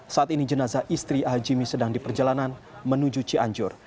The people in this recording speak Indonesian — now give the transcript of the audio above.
saat ini jenazah istri a a jimmy sedang diperjalanan menuju cianjur